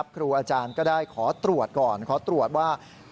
ครูอาจารย์ก็ได้ขอตรวจก่อนขอตรวจว่า